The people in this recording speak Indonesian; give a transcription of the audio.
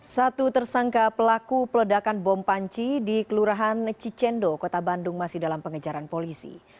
satu tersangka pelaku peledakan bom panci di kelurahan cicendo kota bandung masih dalam pengejaran polisi